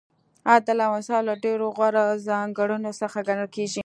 عدل او انصاف له ډېرو غوره ځانګړنو څخه ګڼل کیږي.